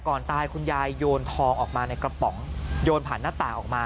ตายคุณยายโยนทองออกมาในกระป๋องโยนผ่านหน้าต่างออกมา